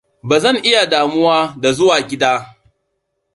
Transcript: Ba zan iya damuwa da zuwa gida!